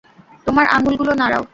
তোমার আঙুলগুলো নাড়াও!